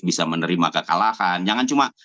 bisa menerima kekalahan jangan cuma